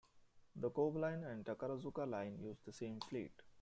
The Kobe Line and Takarazuka Line use the same fleet.